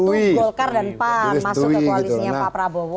ya waktu itu golkar dan pan masuk ke koalisnya pak prabowo